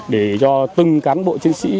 để cho từng cán bộ chính sĩ